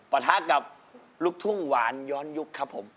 ประทะกับลูกทุ่งหวานย้อนยุคครับผม